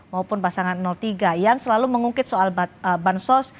maupun pasangan tiga yang selalu mengungkit soal bansos